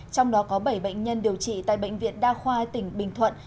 trong đó có bảy bệnh nhân điều trị tại bệnh viện đa khoa tỉnh bình thuận